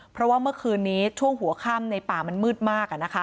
เพราะว่าเมื่อคืนนี้ช่วงหัวค่ำในป่ามันมืดมาก